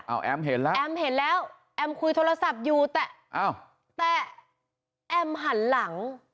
แอมเห็นแล้วแอมคุยโทรศัพท์อยู่แต่แอมหันหลัง